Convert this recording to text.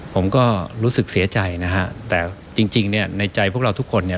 ผมก็รู้สึกเสียใจนะฮะแต่จริงเนี่ยในใจพวกเราทุกคนเนี่ย